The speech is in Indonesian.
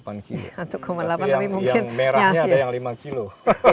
tapi yang merahnya ada yang lima kilo